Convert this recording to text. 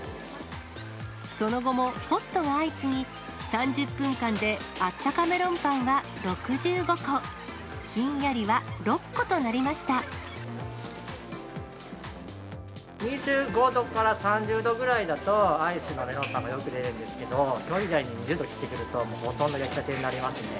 その後もホットが相次ぎ、３０分間であったかメロンパンは６５個、ひんやりは６個となりま２５度から３０度ぐらいだと、アイスのメロンパンがよく出るんですけど、きょうみたいに２０度切ってくると、ほとんど焼きたてになりますね。